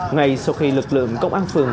ngay sau khi lực lượng công an phường